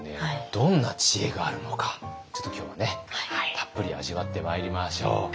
どんな知恵があるのかちょっと今日はねたっぷり味わってまいりましょう。